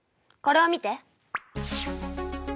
これを見て。